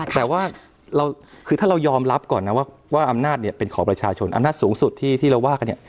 แต่ว่าคือถ้าเรายอมรับก่อนนะว่าอำนาจเป็นของประชาชนอำนาจสูงสุดที่เราว่ากันเนี่ย